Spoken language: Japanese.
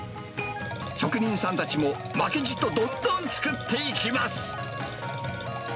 職人さんたちも、負けじとどんどん作っていきます。